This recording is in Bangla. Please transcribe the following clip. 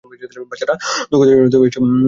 বাচ্চারা ধোকা দেয়ার জন্য এসব কাজ করে না।